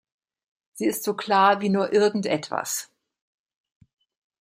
Sie ist so klar wie nur irgendetwas.